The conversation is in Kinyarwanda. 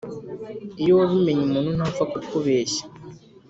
Iyo wabimenye umuntu ntapfa kukubeshya